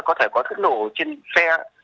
có thể có thất nổ trên xe